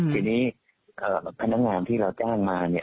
ทีนี้พนักงานที่เราจ้างมา